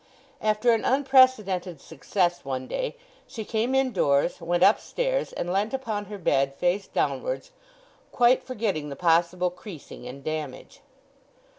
After an unprecedented success one day she came indoors, went upstairs, and leant upon her bed face downwards quite forgetting the possible creasing and damage.